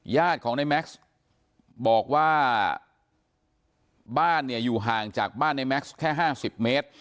ญาติของในแม็กซ์บอกว่าบ้านเนี่ยอยู่ห่างจากบ้านในแม็กซ์แค่๕๐เมตร